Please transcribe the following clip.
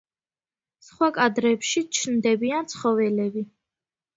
სხვა კადრებში ჩნდებიან ცხოველები.